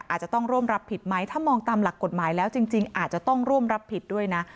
อาจจะต้องร่วมรับผิดไหมถ้ามองตามหลักกฎหมายแล้วจริงอาจจะต้องร่วมรับผิดด้วยนะ